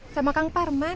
sama kang parman